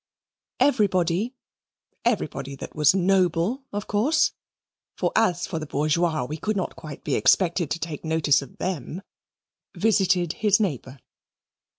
Everybody everybody that was noble of course, for as for the bourgeois we could not quite be expected to take notice of THEM visited his neighbour.